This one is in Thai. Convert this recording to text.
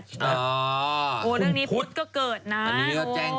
อ๋อคุณพุทธโอ้เรื่องนี้พุทธก็เกิดนะ